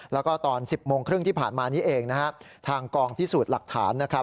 แล้วก็ตอน๑๐โมงครึ่งที่ผ่านมานี้เองนะฮะทางกองพิสูจน์หลักฐานนะครับ